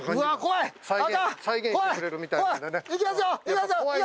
再現してくれるみたいなんでね。